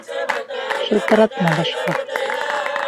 Шылтыратма башҡа!